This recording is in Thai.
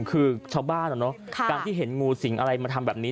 คือชาวบ้านการที่เห็นงูสิงอะไรมาทำแบบนี้